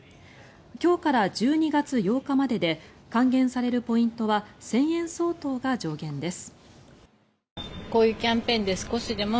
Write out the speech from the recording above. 今日から１２月８日までで還元されるポイントは１０００円相当が上限です。